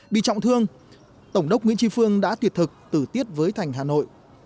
bị trọng thương tổng đốc nguyễn trị phương đã tuyệt thực tử tiết với thành hà nội